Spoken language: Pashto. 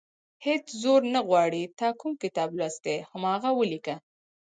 هېڅ زور نه غواړي تا کوم کتاب لوستی، هماغه ولیکه.